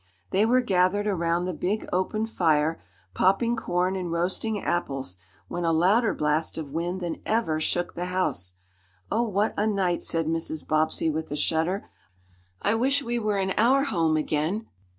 They were gathered around the big open fire, popping corn and roasting apples, when a louder blast of wind than ever shook the house. "Oh, what a night!" said Mrs. Bobbsey, with a shudder. "I wish we were in our home again!"